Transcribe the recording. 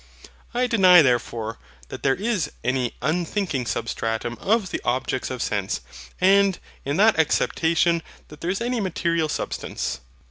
I deny therefore that there is ANY UNTHINKING SUBSTRATUM of the objects of sense, and IN THAT ACCEPTATION that there is any material substance.